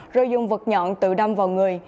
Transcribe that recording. rồi dùng vật nhọn tự đâm vào người